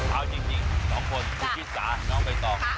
เอาจริง๒คนคุณชิสาน้องใบตอง